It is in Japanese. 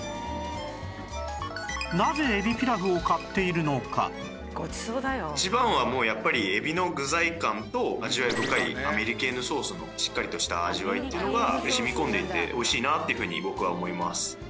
そこから「ごちそうだよ」一番はもうやっぱりえびの具材感と味わい深いアメリケーヌソースのしっかりとした味わいっていうのが染み込んでいて美味しいなっていうふうに僕は思います。